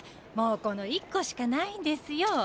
もうこの１個しかないんですよ。